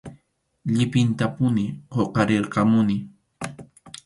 Llipintapuni huqarirqamuni.